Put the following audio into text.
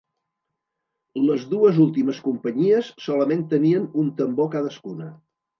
Les dues últimes companyies solament tenien un tambor cadascuna.